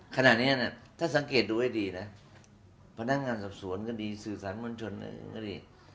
ขนาดนี้เนี่ยถ้าสังเกตดูให้ดีนะพนักงานสับสวนก็ดีสื่อสารมัญชนก็ดี